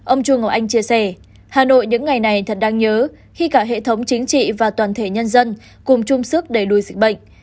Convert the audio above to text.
ông chuông ngọc anh chia sẻ hà nội những ngày này thật đáng nhớ khi cả hệ thống chính trị và toàn thể nhân dân cùng chung sức đẩy lùi dịch bệnh